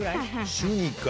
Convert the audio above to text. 週に１回。